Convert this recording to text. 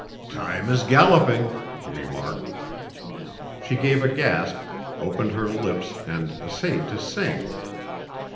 "Time is galloping," he remarked. She gave a gasp, opened her lips and essayed to sing.